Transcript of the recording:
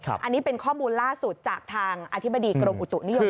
อันนี้เป็นข้อมูลล่าสุดจากทางอธิบดีกรมอุตุนิยม